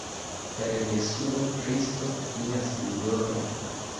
Per Jesuo Kristo nia Sinjoro.